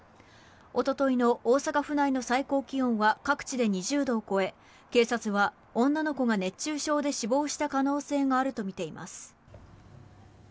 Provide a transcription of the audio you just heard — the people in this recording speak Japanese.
おとといの大阪府内の最高気温は各地で２０度を超え警察は女の子が熱中症で死亡した可能性があるとみています。